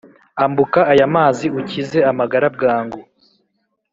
ambuka ayamazi ukize amagara bwangu